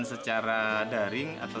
saya tidak tahu